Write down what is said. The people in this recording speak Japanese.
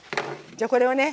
じゃあこれをね